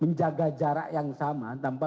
menjaga jarak yang sama tanpa